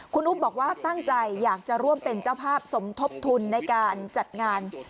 คุณอุ๊บบอกว่าตั้งใจอยากจะร่วมเป็นเจ้าภาพสมทบทุนในการจัดงาน